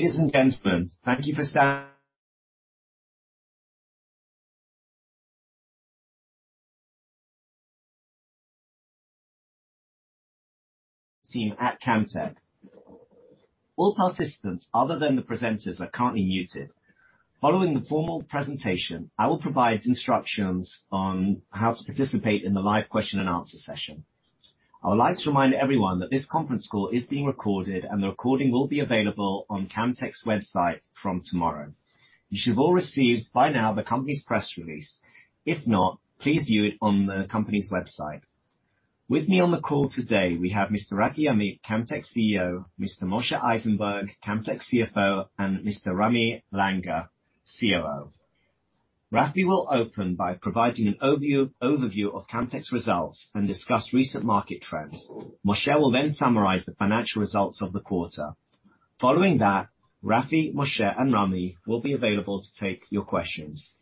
Ladies and gentlemen, thank you for standing by with the team at Camtek. All participants other than the presenters are currently muted. Following the formal presentation, I will provide instructions on how to participate in the live question and answer session. I would like to remind everyone that this conference call is being recorded, and the recording will be available on Camtek's website from tomorrow. You should have all received by now the company's press release. If not, please view it on the company's website. With me on the call today, we have Mr. Rafi Amit, Camtek's CEO; Mr. Moshe Eisenberg, Camtek's CFO; and Mr. Ramy Langer, COO. Rafi will open by providing an overview of Camtek's results and discuss recent market trends. Moshe will then summarize the financial results of the quarter. Following that, Rafi, Moshe, and Ramy will be available to take your questions.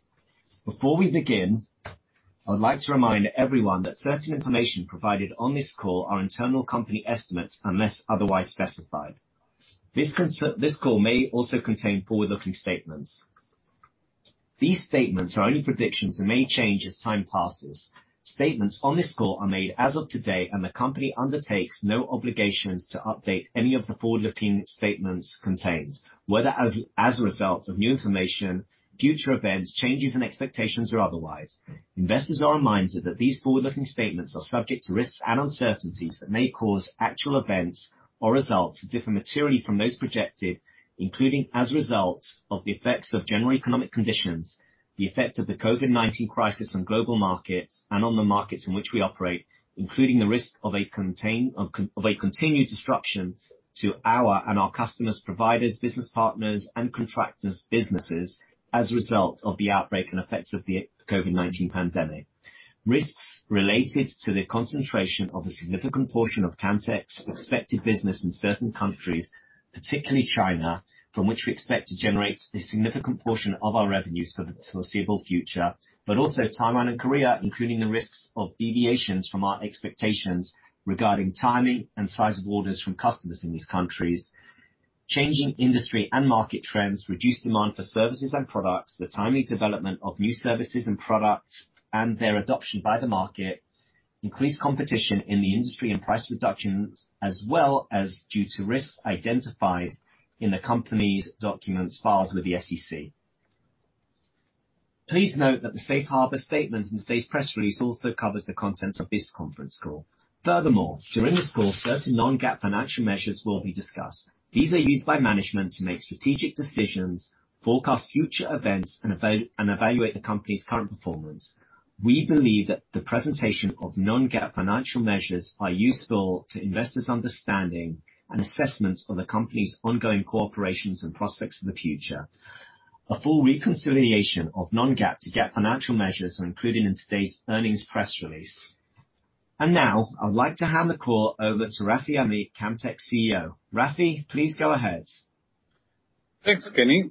Before we begin, I would like to remind everyone that certain information provided on this call are internal company estimates, unless otherwise specified. This call may also contain forward-looking statements. These statements are only predictions and may change as time passes. Statements on this call are made as of today, and the company undertakes no obligations to update any of the forward-looking statements contained, whether as a result of new information, future events, changes in expectations, or otherwise. Investors are reminded that these forward-looking statements are subject to risks and uncertainties that may cause actual events or results to differ materially from those projected, including as a result of the effects of general economic conditions, the effect of the COVID-19 crisis on global markets and on the markets in which we operate. Including the risk of a continued disruption to our and our customers', providers, business partners, and contractors' businesses as a result of the outbreak and effects of the COVID-19 pandemic. Risks related to the concentration of a significant portion of Camtek's respective business in certain countries, particularly China, from which we expect to generate a significant portion of our revenues for the foreseeable future. Also Taiwan and Korea, including the risks of deviations from our expectations regarding timing and size of orders from customers in these countries. Changing industry and market trends, reduced demand for services and products, the timely development of new services and products, and their adoption by the market, increased competition in the industry and price reductions, as well as due to risks identified in the company's documents filed with the SEC. Please note that the safe harbor statement in today's press release also covers the content of this conference call. Furthermore, during this call, certain non-GAAP financial measures will be discussed. These are used by management to make strategic decisions, forecast future events, and evaluate the company's current performance. We believe that the presentation of non-GAAP financial measures are useful to investors' understanding and assessments of the company's ongoing operations and prospects for the future. A full reconciliation of non-GAAP to GAAP financial measures are included in today's earnings press release. Now, I would like to hand the call over to Rafi Amit, Camtek's CEO. Rafi, please go ahead. Thanks, Kenny.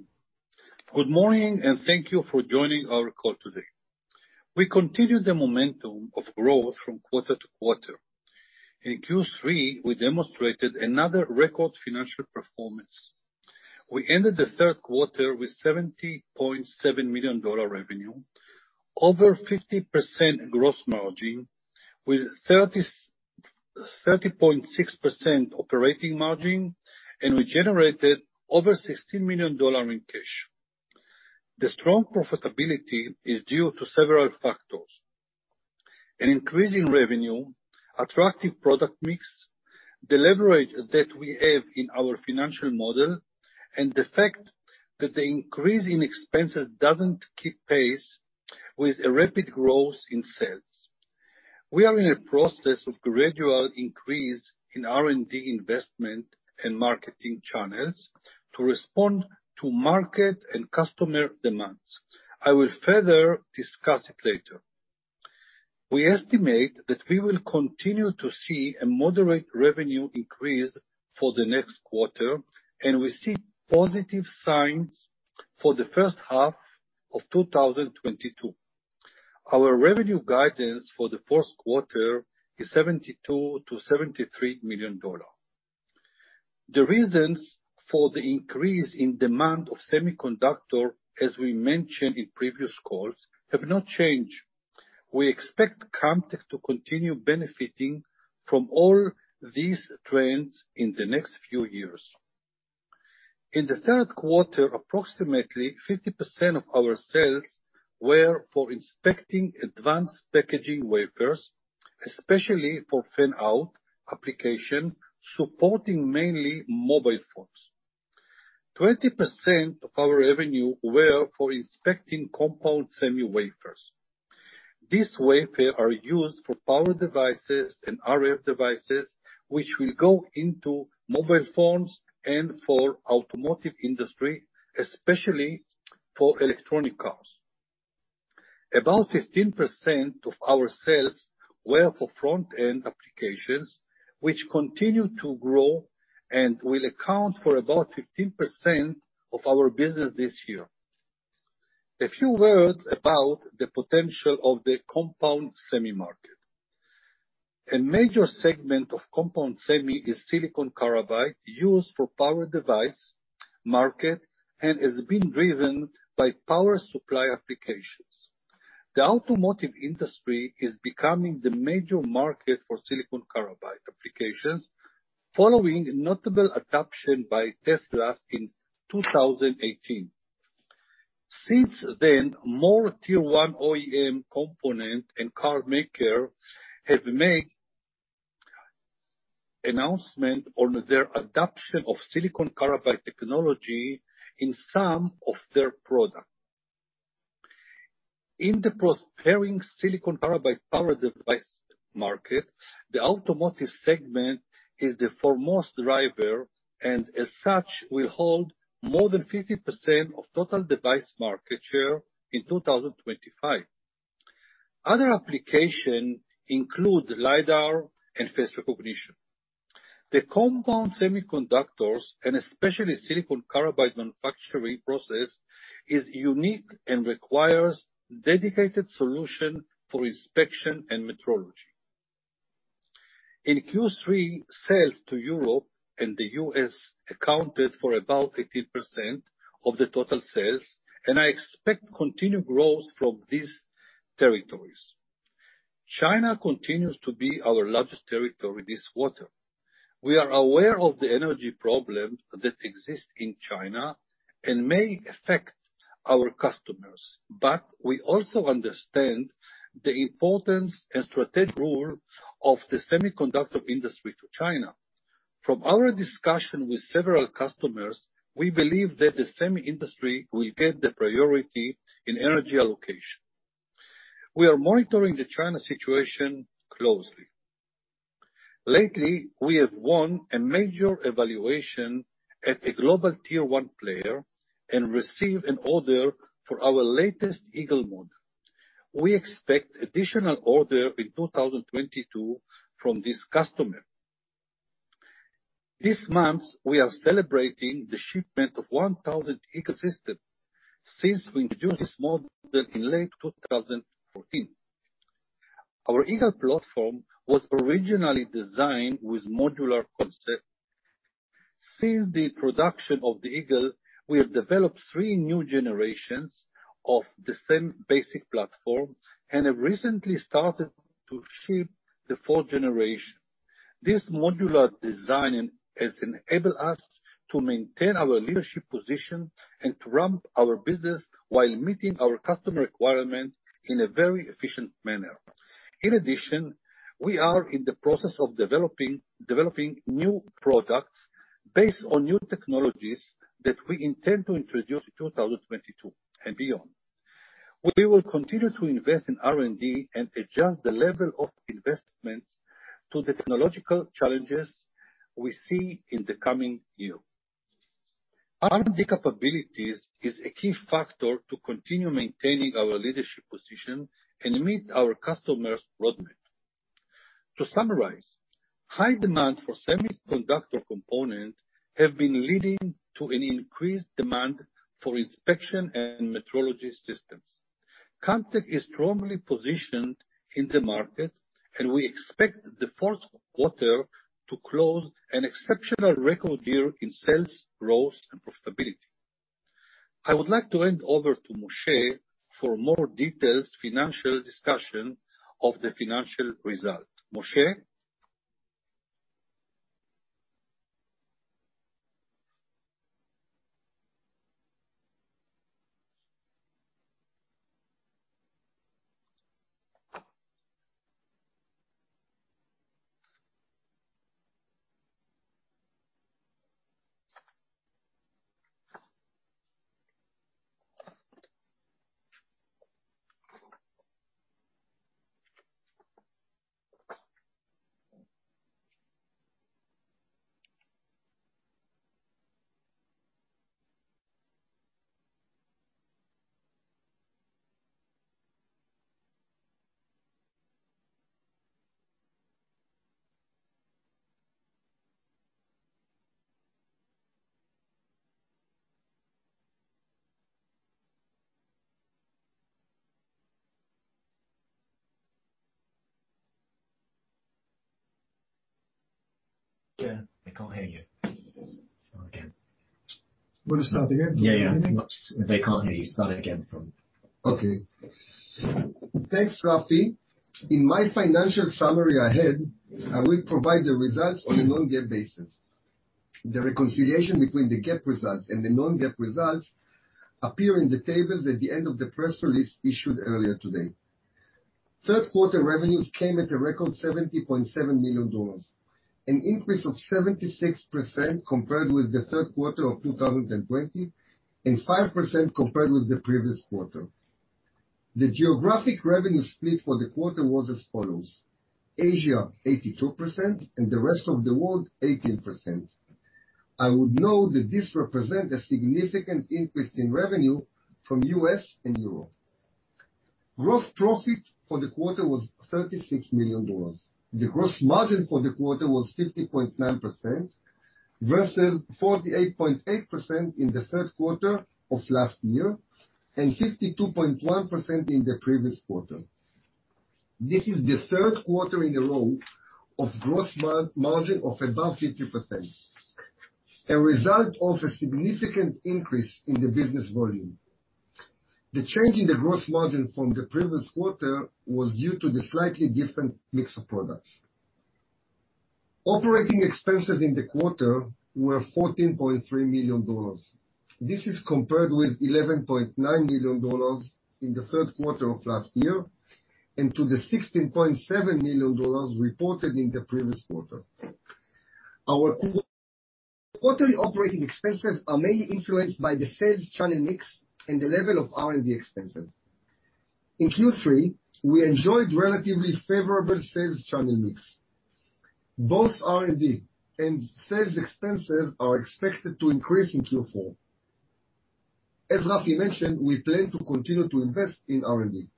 Good morning, and thank you for joining our call today. We continue the momentum of growth from quarter-to-quarter. In Q3, we demonstrated another record financial performance. We ended the third quarter with $70.7 million revenue, over 50% gross margin with 30.6% operating margin, and we generated over $16 million in cash. The strong profitability is due to several factors, an increase in revenue, attractive product mix, the leverage that we have in our financial model, and the fact that the increase in expenses doesn't keep pace with a rapid growth in sales. We are in a process of gradual increase in R&D investment and marketing channels to respond to market and customer demands. I will further discuss it later. We estimate that we will continue to see a moderate revenue increase for the next quarter, and we see positive signs for the first half of 2022. Our revenue guidance for the fourth quarter is $72 million-$73 million. The reasons for the increase in demand for semiconductors, as we mentioned in previous calls, have not changed. We expect Camtek to continue benefiting from all these trends in the next few years. In the third quarter, approximately 50% of our sales were for inspecting advanced packaging wafers, especially for Fan-out application, supporting mainly mobile phones. 20% of our revenue were for inspecting compound semi wafers. These wafers are used for power devices and RF devices, which will go into mobile phones and for automotive industry, especially for electronic cars. About 15% of our sales were for front-end applications, which continue to grow and will account for about 15% of our business this year. A few words about the potential of the compound semi market. A major segment of compound semi is silicon carbide used for power device market and is being driven by power supply applications. The automotive industry is becoming the major market for silicon carbide applications, following notable adoption by Tesla in 2018. Since then, more tier one OEM component and car maker have made announcement on their adoption of silicon carbide technology in some of their product. In the prospering silicon carbide power device market, the automotive segment is the foremost driver, and as such, will hold more than 50% of total device market share in 2025. Other application include LIDAR and face recognition. The compound semiconductors, and especially silicon carbide manufacturing process, is unique and requires dedicated solution for inspection and metrology. In Q3, sales to Europe and the U.S. accounted for about 80% of the total sales, and I expect continued growth from these territories. China continues to be our largest territory this quarter. We are aware of the energy problem that exists in China and may affect our customers. We also understand the importance and strategic role of the semiconductor industry to China. From our discussion with several customers, we believe that the semi industry will get the priority in energy allocation. We are monitoring the China situation closely. Lately, we have won a major evaluation at a global tier one player and received an order for our latest Eagle model. We expect additional order in 2022 from this customer. This month, we are celebrating the shipment of 1,000 Eagle system since we introduced this model in late 2014. Our Eagle platform was originally designed with modular concept. Since the production of the Eagle, we have developed three new generations of the same basic platform and have recently started to ship the fourth generation. This modular design has enabled us to maintain our leadership position and to ramp our business while meeting our customer requirement in a very efficient manner. In addition, we are in the process of developing new products based on new technologies that we intend to introduce in 2022 and beyond. We will continue to invest in R&D and adjust the level of investments to the technological challenges we see in the coming year. R&D capabilities is a key factor to continue maintaining our leadership position and meet our customers' roadmap. To summarize, high demand for semiconductor components have been leading to an increased demand for inspection and metrology systems. Camtek is strongly positioned in the market, and we expect the fourth quarter to close an exceptional record year in sales, growth, and profitability. I would like to hand over to Moshe for more detailed financial discussion of the financial results. Moshe? Yeah, they can't hear you. Start again. Wanna start again? Yeah, yeah. They can't hear you. Start again from... Okay. Thanks, Rafi. In my financial summary ahead, I will provide the results on a non-GAAP basis. The reconciliation between the GAAP results and the non-GAAP results appear in the tables at the end of the press release issued earlier today. Third quarter revenues came at a record $70.7 million, an increase of 76% compared with the third quarter of 2020 and 5% compared with the previous quarter. The geographic revenue split for the quarter was as follows, Asia, 82%, and the rest of the world, 18%. I would note that this represent a significant increase in revenue from U.S. and Europe. Gross profit for the quarter was $36 million. The gross margin for the quarter was 50.9% versus 48.8% in the third quarter of last year, and 62.1% in the previous quarter. This is the third quarter in a row of gross margin of above 50%, a result of a significant increase in the business volume. The change in the gross margin from the previous quarter was due to the slightly different mix of products. Operating expenses in the quarter were $14.3 million. This is compared with $11.9 million in the third quarter of last year and to the $16.7 million reported in the previous quarter. Our quarterly operating expenses are mainly influenced by the sales channel mix and the level of R&D expenses. In Q3, we enjoyed relatively favorable sales channel mix. Both R&D and sales expenses are expected to increase in Q4. As Rafi mentioned, we plan to continue to invest in R&D.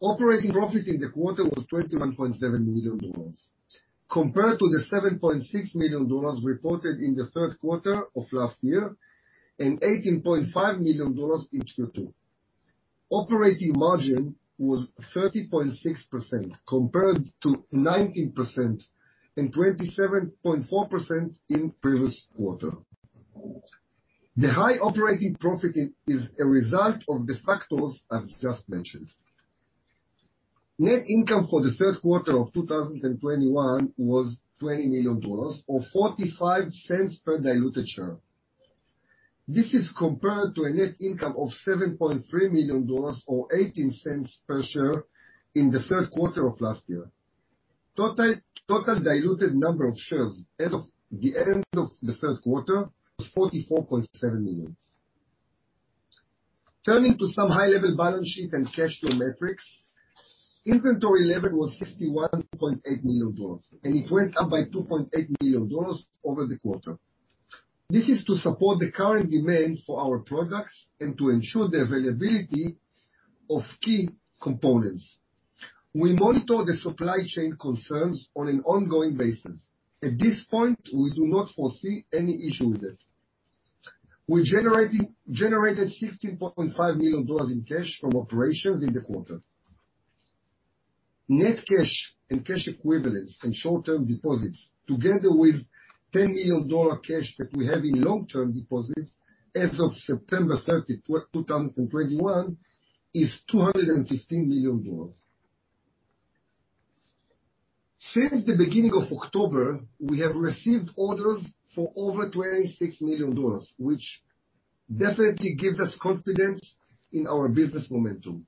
Operating profit in the quarter was $21.7 million, compared to the $7.6 million reported in the third quarter of last year and $18.5 million in Q2. Operating margin was 30.6%, compared to 19% and 27.4% in previous quarter. The high operating profit is a result of the factors I've just mentioned. Net income for the third quarter of 2021 was $20 million or $0.45 per diluted share. This is compared to a net income of $7.3 million or $0.18 per share in the third quarter of last year. Total diluted number of shares as of the end of the third quarter was $44.7 million. Turning to some high-level balance sheet and cash flow metrics. Inventory level was $51.8 million, and it went up by $2.8 million over the quarter. This is to support the current demand for our products and to ensure the availability of key components. We monitor the supply chain concerns on an ongoing basis. At this point, we do not foresee any issue with it. We generated $15.5 million in cash from operations in the quarter. Net cash and cash equivalents and short-term deposits, together with $10 million cash that we have in long-term deposits as of September 30, 2021, is $215 million. Since the beginning of October, we have received orders for over $26 million, which definitely gives us confidence in our business momentum.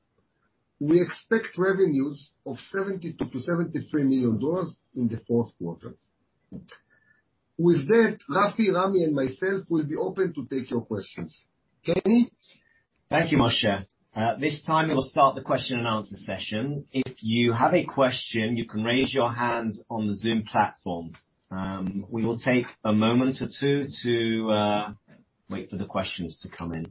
We expect revenues of $72 million-$73 million in the fourth quarter. With that, Rafi, Ramy, and myself will be open to take your questions. Kenny? Thank you, Moshe. At this time, we will start the question and answer session. If you have a question, you can raise your hand on the Zoom platform. We will take a moment or two to wait for the questions to come in.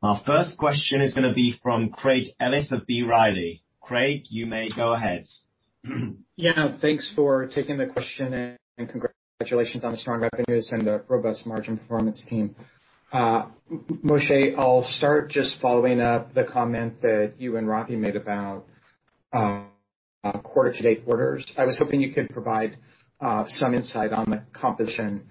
Our first question is gonna be from Craig Ellis of B. Riley. Craig, you may go ahead. Yeah, thanks for taking the question, and congratulations on the strong revenues and the robust margin performance, team. Moshe, I'll start just following up the comment that you and Rafi made about quarter to date orders. I was hoping you could provide some insight on the composition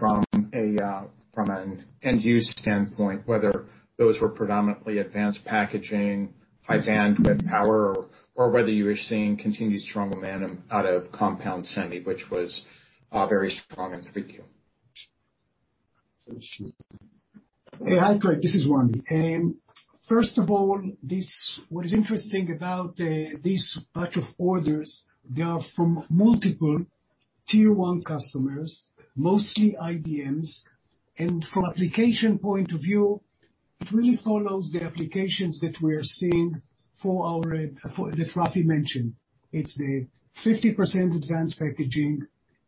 from an end-use standpoint, whether those were predominantly advanced packaging, high bandwidth power or whether you are seeing continued strong momentum out of compound semi, which was very strong in 3Q. Yeah. Hi, Craig. This is Ramy. First of all, what is interesting about this batch of orders, they are from multiple tier one customers, mostly IDMs. From application point of view, it really follows the applications that we are seeing that Rafi mentioned. It's the 50% advanced packaging,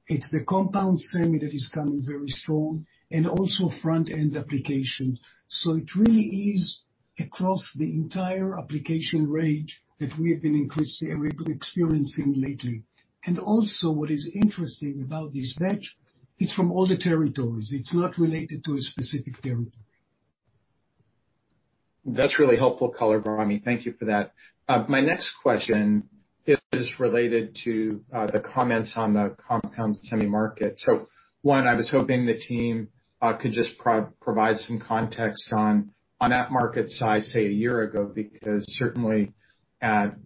it's the compound semi that is coming very strong and also front-end application. It really is across the entire application range that we've been experiencing lately. Also what is interesting about this batch, it's from all the territories. It's not related to a specific territory. That's really helpful color, Ramy. Thank you for that. My next question is related to the comments on the compound semi market. One, I was hoping the team could just provide some context on that market size, say a year ago, because certainly at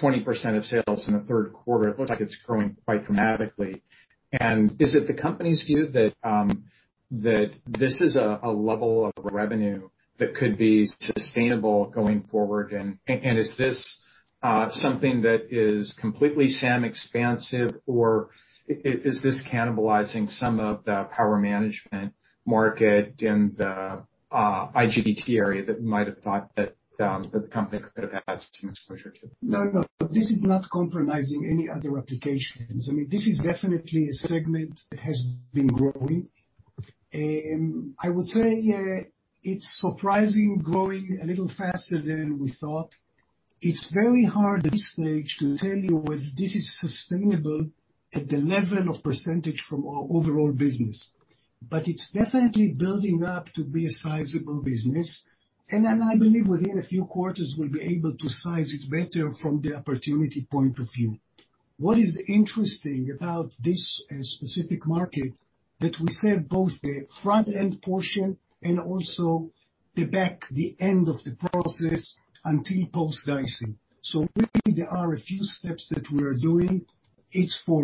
20% of sales in the third quarter, it looks like it's growing quite dramatically. Is it the company's view that this is a level of revenue that could be sustainable going forward? Is this something that is completely SAM expansive, or is this cannibalizing some of the power management market and the IGBT area that might have thought that the company could have had some exposure to? No, no, this is not compromising any other applications. I mean, this is definitely a segment that has been growing. I would say it's surprising growing a little faster than we thought. It's very hard at this stage to tell you whether this is sustainable at the level of percentage from our overall business. It's definitely building up to be a sizable business. Then I believe within a few quarters, we'll be able to size it better from the opportunity point of view. What is interesting about this specific market is that we serve both the front-end portion and also the back end of the process until post dicing. Really there are a few steps that we are doing. It's, I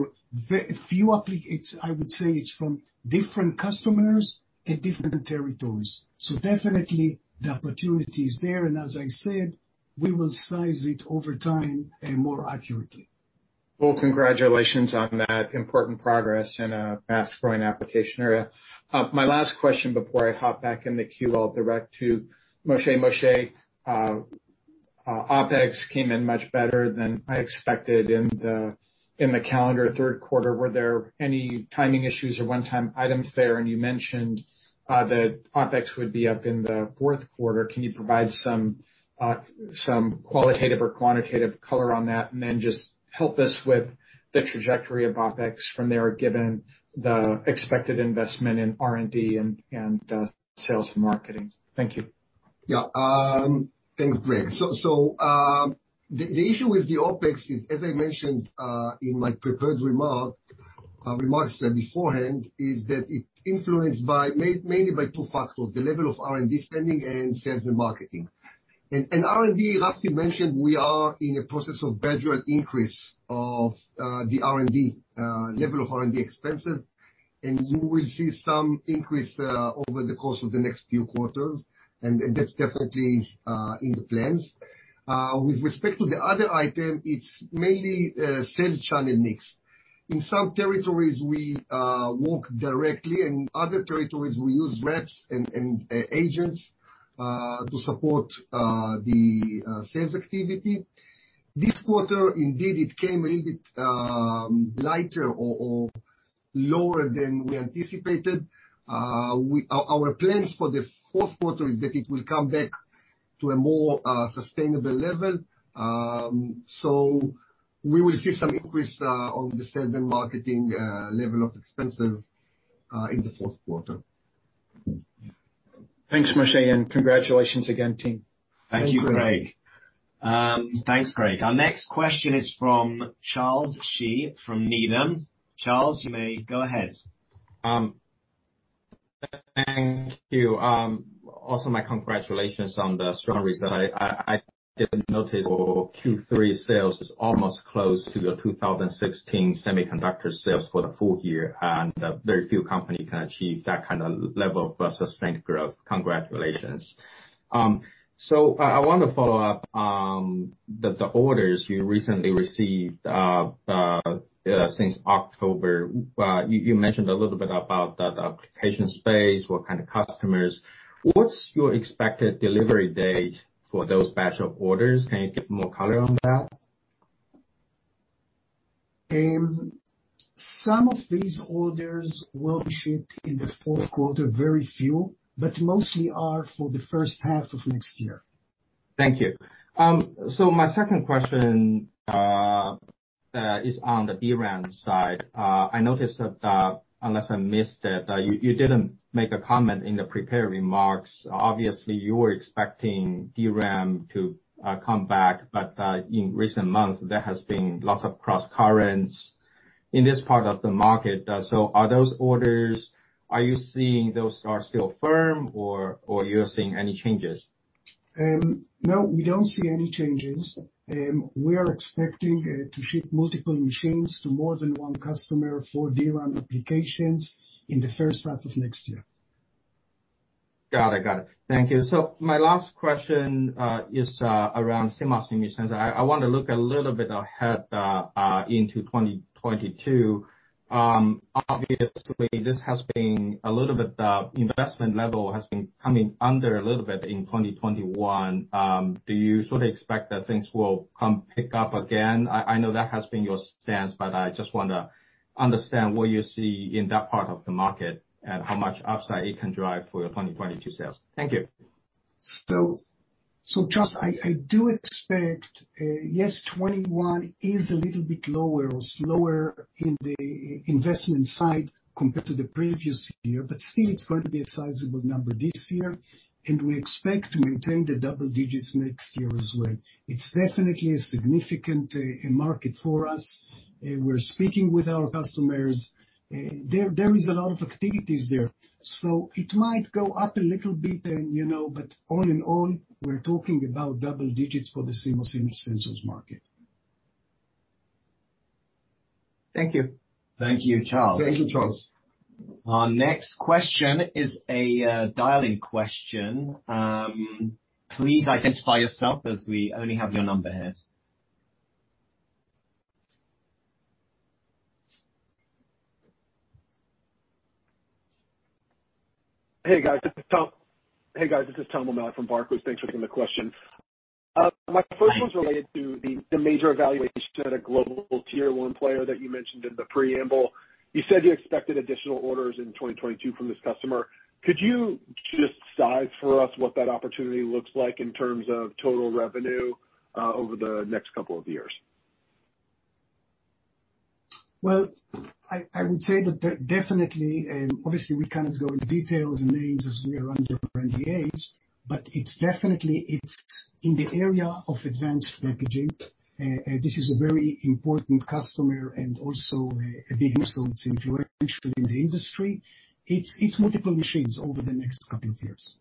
would say, it's from different customers and different territories. Definitely the opportunity is there, and as I said, we will size it over time and more accurately. Well, congratulations on that important progress in a fast-growing application area. My last question before I hop back in the queue, I'll direct to Moshe. Moshe, OpEx came in much better than I expected in the calendar third quarter. Were there any timing issues or one-time items there? You mentioned that OpEx would be up in the fourth quarter. Can you provide some qualitative or quantitative color on that? Just help us with the trajectory of OpEx from there, given the expected investment in R&D and sales and marketing. Thank you. Thanks, Craig. The issue with the OpEx is, as I mentioned in my prepared remarks beforehand, that it is influenced mainly by two factors, the level of R&D spending and sales and marketing. Rafi mentioned we are in a process of gradual increase of the level of R&D expenses. You will see some increase over the course of the next few quarters. That's definitely in the plans. With respect to the other item, it's mainly sales channel mix. In some territories we work directly, and other territories we use reps and agents to support the sales activity. This quarter indeed it came a little bit lighter or lower than we anticipated. Our plans for the fourth quarter is that it will come back to a more sustainable level. We will see some increase on the sales and marketing level of expenses in the fourth quarter. Thanks, Moshe, and congratulations again, team. Thank you. Thank you, Craig. Our next question is from Charles Shi from Needham. Charles, you may go ahead. Thank you. Also my congratulations on the strong result. I didn't notice for Q3 sales is almost close to your 2016 semiconductor sales for the full year, and very few companies can achieve that kind of level of sustained growth. Congratulations. I wanna follow up, the orders you recently received since October. You mentioned a little bit about that application space, what kind of customers. What's your expected delivery date for those batch of orders? Can you give more color on that? Some of these orders will be shipped in the fourth quarter, very few, but mostly are for the first half of next year. Thank you. My second question is on the DRAM side. I noticed that, unless I missed it, you didn't make a comment in the prepared remarks. Obviously, you were expecting DRAM to come back, but in recent months, there has been lots of crosscurrents in this part of the market. Are you seeing those are still firm or you're seeing any changes? No, we don't see any changes. We are expecting to ship multiple machines to more than one customer for DRAM applications in the first half of next year. Got it. Thank you. My last question is around CMOS image sensors. I want to look a little bit ahead into 2022. Obviously, this has been a little bit, investment level has been coming under a little bit in 2021. Do you sort of expect that things will pick up again? I know that has been your stance, but I just wanna understand what you see in that part of the market and how much upside it can drive for your 2022 sales. Thank you. Charles, I do expect, yes, 2021 is a little bit lower or slower in the investment side compared to the previous year, but still it's going to be a sizable number this year, and we expect to maintain the double digits next year as well. It's definitely a significant market for us. We're speaking with our customers. There is a lot of activities there. It might go up a little bit and, you know, but on and on, we're talking about double digits for the CMOS image sensors market. Thank you. Thank you, Charles. Thank you, Charles. Our next question is a dial-in question. Please identify yourself as we only have your number here. This is Tom O'Malley from Barclays. Thanks for taking the question. My first one's related to the major evaluation at a global tier one player that you mentioned in the preamble. You said you expected additional orders in 2022 from this customer. Could you just size for us what that opportunity looks like in terms of total revenue over the next couple of years? Well, I would say that definitely, obviously we cannot go into details and names as we are under NDAs, but it's definitely in the area of advanced packaging. This is a very important customer and also a big, influential in the industry. It's multiple machines over the next couple of years.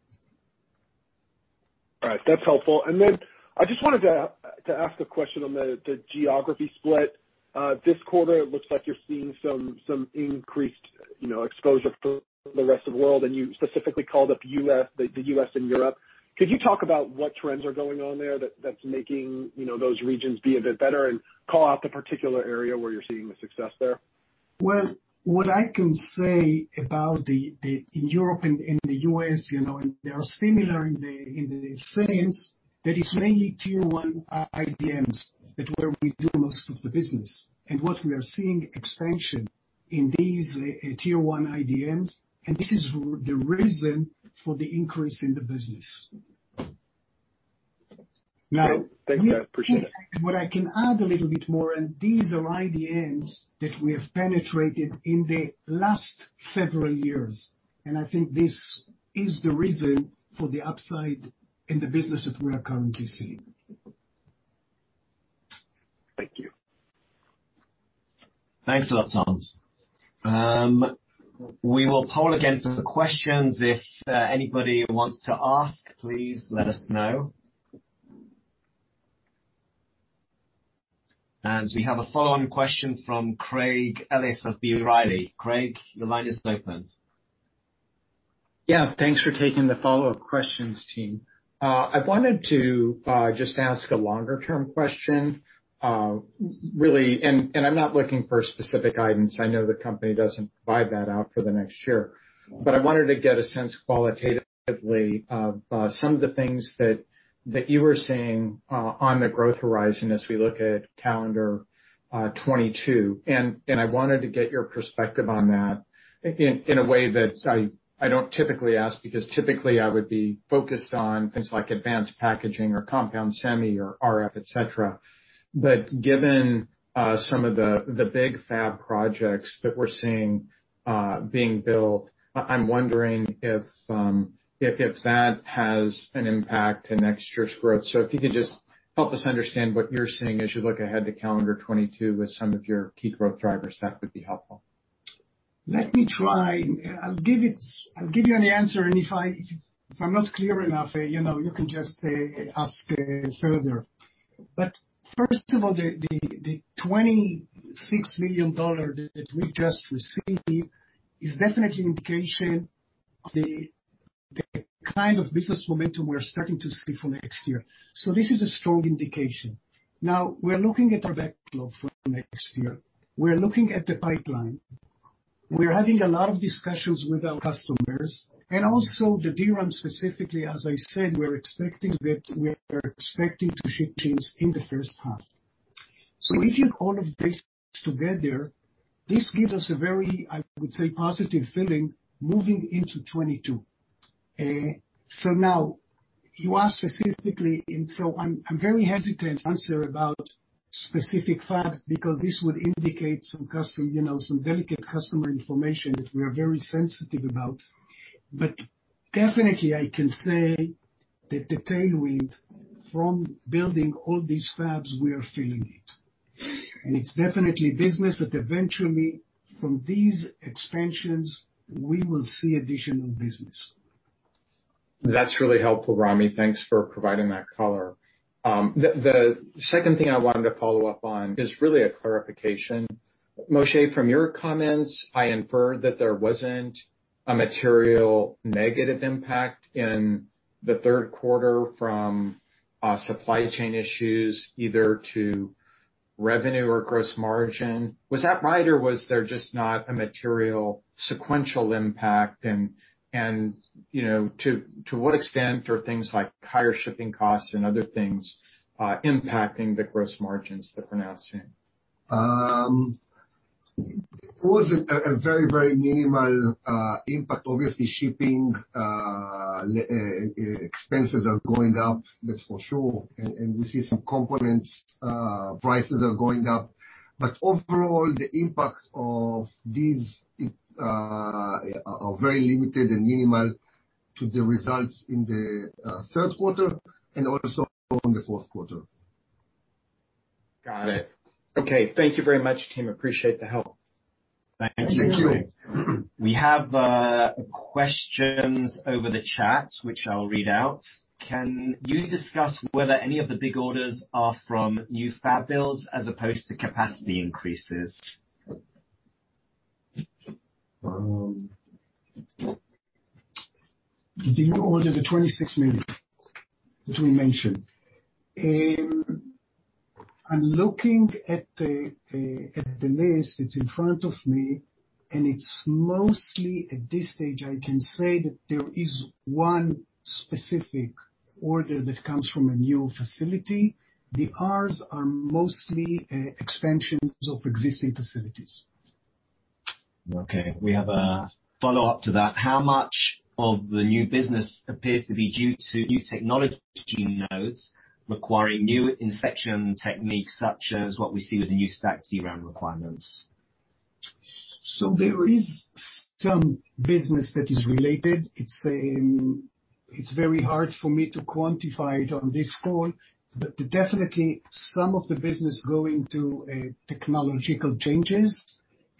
All right. That's helpful. Then I just wanted to ask a question on the geography split. This quarter, it looks like you're seeing some increased, you know, exposure for the rest of the world, and you specifically called out U.S., the U.S. and Europe. Could you talk about what trends are going on there that's making, you know, those regions be a bit better and call out the particular area where you're seeing the success there? Well, what I can say about the in Europe and the U.S., you know, and they are similar in the sense that it's mainly Tier 1 IDMs that we do most of the business. What we are seeing expansion in these Tier 1 IDMs, and this is the reason for the increase in the business. Now- Great. Thanks for that. Appreciate it. What I can add a little bit more, and these are IDMs that we have penetrated in the last several years. I think this is the reason for the upside in the business that we are currently seeing. Thank you. Thanks a lot, Tom. We will poll again for the questions. If anybody wants to ask, please let us know. We have a follow-on question from Craig Ellis of B. Riley. Craig, your line is open. Yeah, thanks for taking the follow-up questions, team. I wanted to just ask a longer term question, really, and I'm not looking for specific guidance. I know the company doesn't provide that out for the next year. I wanted to get a sense qualitatively of some of the things that you were seeing on the growth horizon as we look at calendar 2022. I wanted to get your perspective on that in a way that I don't typically ask, because typically I would be focused on things like advanced packaging or compound semi or RF, et cetera. Given some of the big fab projects that we're seeing being built, I'm wondering if that has an impact in next year's growth. If you could just help us understand what you're seeing as you look ahead to calendar 2022 with some of your key growth drivers, that would be helpful. Let me try. I'll give you an answer, and if I'm not clear enough, you know, you can just ask further. First of all, the $26 million that we just received is definitely an indication of the kind of business momentum we are starting to see for next year. This is a strong indication. We are looking at our backlog for next year. We are looking at the pipeline. We are having a lot of discussions with our customers and also the DRAM specifically, as I said, we are expecting to ship things in the first half. If you put all of this together, this gives us a very, I would say, positive feeling moving into 2022. Now you asked specifically, so I'm very hesitant to answer about specific fabs because this would indicate you know, some delicate customer information that we are very sensitive about. I can say that the tailwind from building all these fabs, we are feeling it. It's definitely business that eventually, from these expansions, we will see additional business. That's really helpful, Ramy. Thanks for providing that color. The second thing I wanted to follow up on is really a clarification. Moshe, from your comments, I inferred that there wasn't a material negative impact in the third quarter from supply chain issues either to revenue or gross margin. Was that right, or was there just not a material sequential impact? You know, to what extent are things like higher shipping costs and other things impacting the gross margins that we're now seeing? It was a very minimal impact. Obviously, shipping expenses are going up, that's for sure. We see some component prices are going up. But overall, the impact of these are very limited and minimal to the results in the third quarter and also on the fourth quarter. Got it. Okay. Thank you very much, team. Appreciate the help. Thank you. Thank you. We have questions over the chat, which I'll read out. Can you discuss whether any of the big orders are from new fab builds as opposed to capacity increases? The new order is a $26 million that we mentioned. I'm looking at the list that's in front of me, and it's mostly, at this stage, I can say that there is one specific order that comes from a new facility. The others are mostly expansions of existing facilities. Okay. We have a follow-up to that. How much of the new business appears to be due to new technology nodes requiring new inspection techniques, such as what we see with the new stacked DRAM requirements? There is some business that is related. It's very hard for me to quantify it on this call. Definitely some of the business going to technological changes.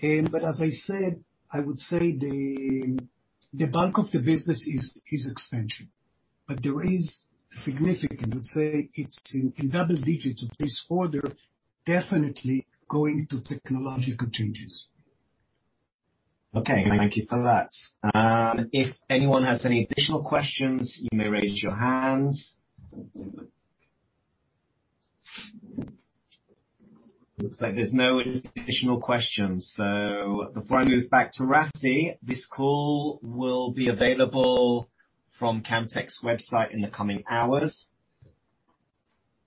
As I said, I would say the bulk of the business is expansion. There is significant. I would say it's in double digits of this quarter, definitely going to technological changes. Okay, thank you for that. If anyone has any additional questions, you may raise your hands. Looks like there's no additional questions. Before I move back to Rafi, this call will be available from Camtek's website in the coming hours.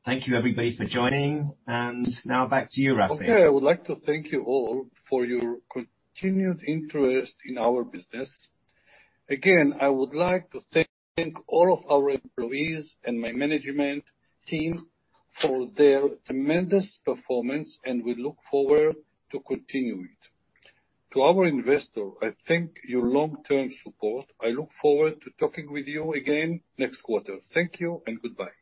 Thank you, everybody, for joining. Now back to you, Rafi. Okay. I would like to thank you all for your continued interest in our business. Again, I would like to thank all of our employees and my management team for their tremendous performance, and we look forward to continue it. To our investor, I thank you for your long-term support. I look forward to talking with you again next quarter. Thank you and goodbye.